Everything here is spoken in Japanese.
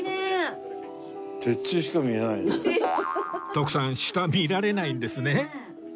徳さん下見られないんですね